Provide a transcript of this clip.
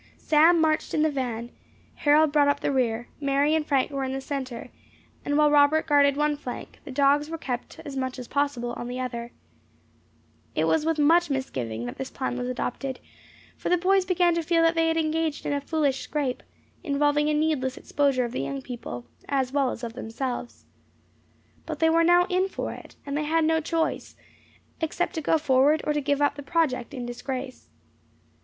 Sam marched in the van, Harold brought up the rear; Mary and Frank were in the centre, and while Robert guarded one flank, the dogs were kept as much as possible on the other. It was with much misgiving that this plan was adopted, for the boys began to feel that they had engaged in a foolish scrape, involving a needless exposure of the young people, as well as of themselves. But they were now in for it, and they had no choice, except to go forward or to give up the project in disgrace.